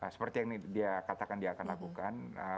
seperti yang dia katakan dia akan lakukan